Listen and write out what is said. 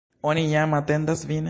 Oni jam atendas vin!